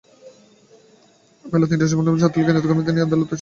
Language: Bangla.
বেলা তিনটার মধ্যে ছাত্রলীগের নেতা কর্মীদের নিয়ে তিনি আদালত চত্বর ত্যাগ করেন।